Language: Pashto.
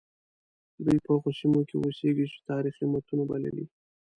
دوی په هغو سیمو کې اوسیږي چې تاریخي متونو بللي.